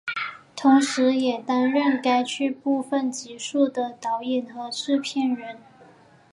同时也担任该剧部分集数的导演和制作人。